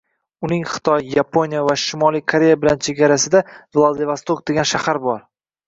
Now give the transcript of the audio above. uning Xitoy, Yaponiya va Shimoliy Koreya bilan chegarasida Vladivostok degan shahar bor.